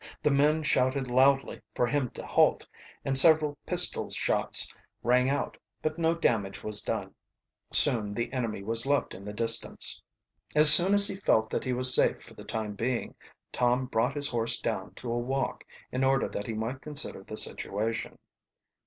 The men shouted loudly for him to halt, and several pistol shots rang out, but no damage was done. Soon the enemy was left in the distance. As soon as he felt that he was safe for the time being, Tom brought his horse down to a walk, in order that he might consider the situation.